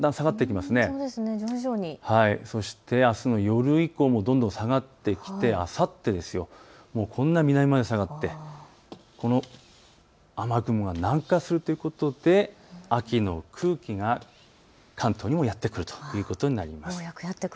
あすの夜以降も下がってきてあさって、南まで下がって、この雨雲が南下するということで秋の空気が関東にもやって来るということになります。